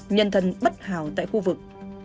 nhân thân bất hảo tại khu vực